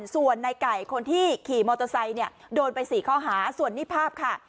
ส่วนในไก่คนที่ขี่มอเตอร์ไซค์เนี่ยโดนไป๔ข้อหาส่วนนี้ภาพค่ะ